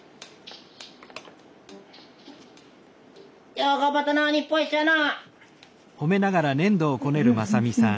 よう頑張ったな日本一やな。